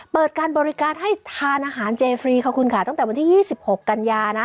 เปิดการบริการให้ทานอาหารเจฟรีขอบคุณค่ะตั้งแต่วันที่๒๖กันยานะ